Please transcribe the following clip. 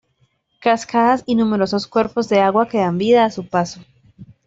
Cascadas y numerosos cuerpos de agua que dan vida a su paso.